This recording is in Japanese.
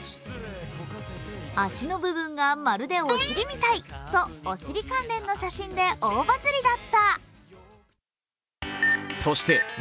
足の部分がまるでお尻みたいとお尻関連の写真で大バズりだった。